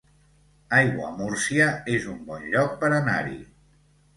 Aiguamúrcia es un bon lloc per anar-hi